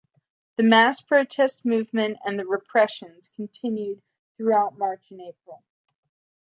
The mass protest movement and the repressions continued throughout March and April.